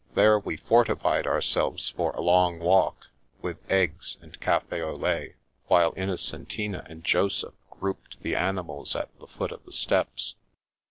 There we fortified ourselves for a long walk, with eggs and cafS au lait, while Innocentina and Joseph grouped the animals at the foot of the steps.